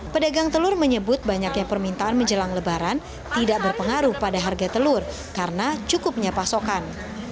pedagang telur menyebut banyaknya permintaan menjelang lebaran tidak berpengaruh pada harga telur karena cukupnya pasokan